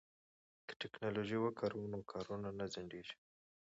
که ټیکنالوژي وکاروو نو کارونه نه ځنډیږي.